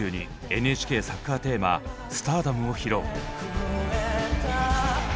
ＮＨＫサッカーテーマ「Ｓｔａｒｄｏｍ」を披露。